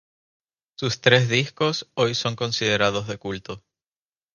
Sus tres discos hoy son considerados de culto.